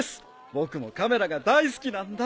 僕もカメラが大好きなんだ。